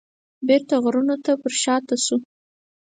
بیرته غرونو ته پرشاته شو.